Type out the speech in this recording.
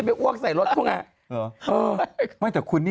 ไปแต่งงานผ้าม่างนะ